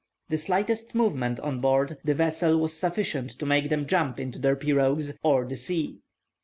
The slightest movement on board the vessel was sufficient to make them jump into their pirogues, or the sea.